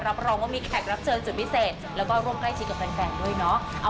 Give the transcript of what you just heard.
รับรองว่ามีแขกรับเชิญจุดพิเศษแล้วก็ร่วมใกล้ชิดกับแฟนด้วยเนาะ